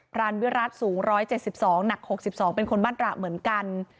รานวิรัติสูง๑๗๒หนัก๖๒เป็นคนมาตราเหมือนกัน